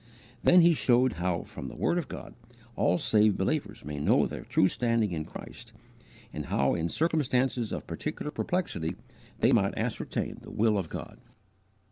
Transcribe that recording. Then he showed how, from the word of God, all saved believers may know their true standing in Christ, and how in circumstances of particular perplexity they might ascertain the will of God.